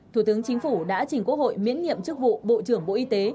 thủ tướng chính phủ đã trình quốc hội miễn nhiệm chức vụ bộ trưởng bộ y tế